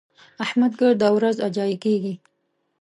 احمد ګرده ورځ اجايي کېږي.